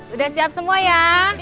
udah siap semua ya